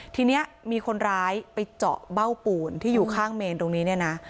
ทีนี้มีคนร้ายไปเจาะเบ้าปูนที่อยู่ข้างเมนตรงนี้เนี่ยนะ